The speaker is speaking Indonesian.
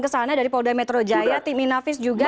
langsung ke sana dari poldai metro jaya tim inafis juga